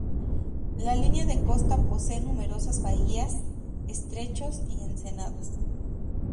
La línea de costa posee numerosas bahías, estrechos y ensenadas.